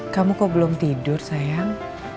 kamu kok belum tidur sayang